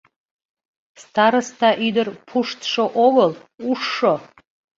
Староста ӱдыр пуштшо огыл, ужшо!